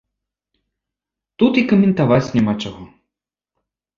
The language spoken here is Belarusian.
Тут і каментаваць няма чаго.